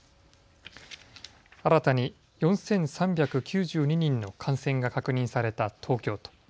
新たに４３９２人の感染が確認された東京都。